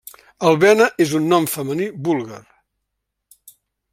Albena és un nom femení búlgar.